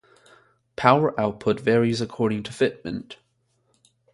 Power output varies according to fitment.